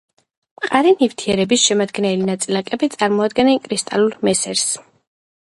მყარი ნივთიერების შემადგენელი ნაწილაკები წარმოქმნიან კრისტალურ მესერს.